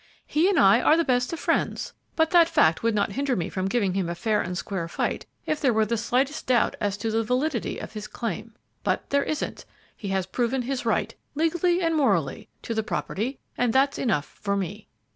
He and I are the best of friends, but that fact would not hinder me from giving him a fair and square fight if there were the slightest doubt as to the validity of his claim. But there isn't; he has proved his right, legally and morally, to the property, and that's enough for me."